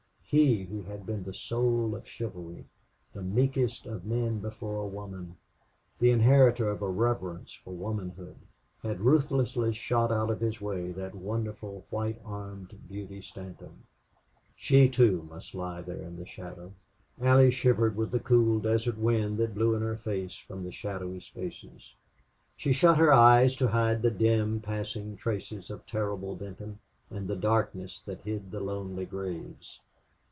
He, who had been the soul of chivalry, the meekest of men before a woman, the inheritor of a reverence for womanhood, had ruthlessly shot out of his way that wonderful white armed Beauty Stanton. She, too, must lie there in the shadow. Allie shivered with the cool desert wind that blew in her face from the shadowy spaces. She shut her eyes to hide the dim passing traces of terrible Benton and the darkness that hid the lonely graves.